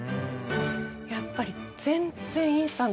やっぱり。